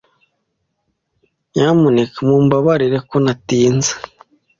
Nyamuneka mumbabarire ko natinze.